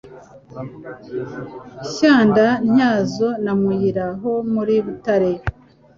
Shyanda , Ntyazo na Muyira ho muri Butare